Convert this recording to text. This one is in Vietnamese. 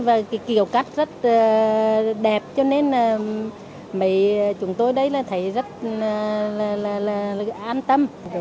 và kiểu cắt rất đẹp cho nên chúng tôi thấy rất an tâm